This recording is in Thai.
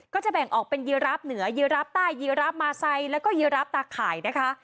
ก็จะแบ่งออกเป็นยีราฟเหนือยีรับใต้ยีรับมาไซดแล้วก็ยีรับตาข่ายนะคะ